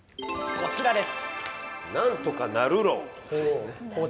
こちらです。